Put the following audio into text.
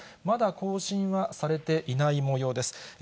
まだ更新はされていないもようです。